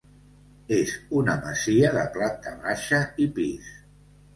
És una masia de planta baixa i pis.